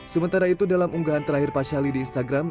sementara itu dalam unggahan terakhir pak shali di instagram